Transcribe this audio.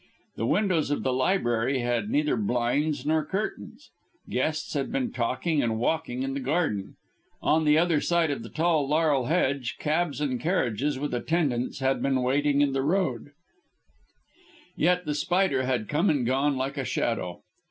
The windows of the library had neither blinds nor curtains; guests had been talking and walking in the garden; on the other side of the tall laurel hedge cabs and carriages with attendants had been waiting in the road, yet The Spider had come and gone like a shadow.